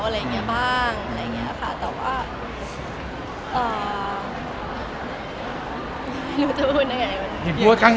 แต่ว่าไม่รู้จะพูดยังไง